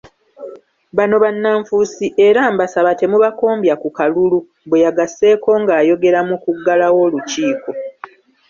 ‘Bano bannanfuusi era mbasaba temubakombya ku kalulu’ bwe yagasseeko ng’ayogera mu kuggalawo olukiiko.